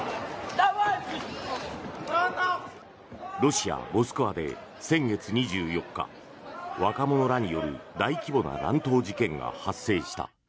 ロシア・モスクワで先月２４日若者らによる大規模な乱闘事件が発生した。